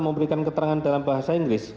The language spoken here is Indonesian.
memberikan keterangan dalam bahasa inggris